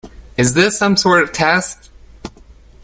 Is this some sort of test?